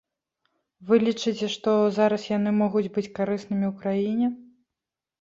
Вы лічыце, што зараз яны могуць быць карыснымі ў краіне?